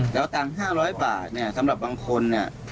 แล้วตัง๕๐๐บาทสำหรับบางคน